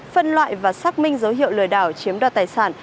phân loại và xác minh dấu hiệu lừa đảo chiếm đoạt tài sản